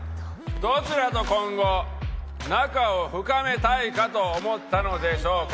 どちらと今後仲を深めたいかと思ったのでしょうか？